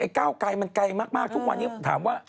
ไอ้ก้าวไกมากทุกวันนี้ถามว่า